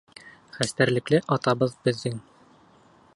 Хәстәрлекле атабыҙ беҙҙең.